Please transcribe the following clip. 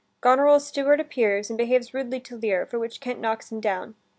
Goneril's steward appears, and behaves rudely to Lear, for which Kent knocks him down.